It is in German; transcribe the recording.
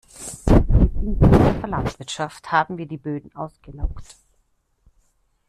Mit intensiver Landwirtschaft haben wir die Böden ausgelaugt.